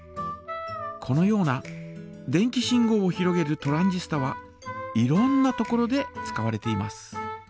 このような電気信号をひろげるトランジスタはいろんなところで使われています。